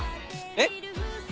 えっ⁉